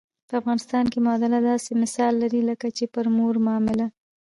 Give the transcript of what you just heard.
په افغانستان معامله داسې مثال لري لکه چې پر مور معامله.